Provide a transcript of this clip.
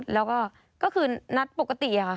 แล้วก็ก็คือนัดปกติค่ะ